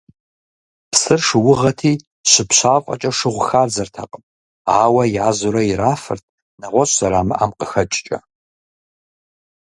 Псыр шыугъэти, щыпщафӏэкӏэ шыгъу хадзэртэкъым, ауэ язурэ ирафырт, нэгъуэщӏ зэрамыӏэм къыхэкӏкӏэ.